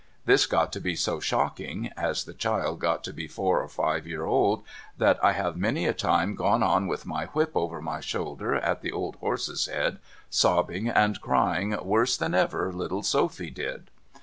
This got to be so shocking, as the child got to be four or five year old, that I have many a time gone on with my whip over my shoulder, at the old horse's head, sobbing and crying worse than ever little Sophy did.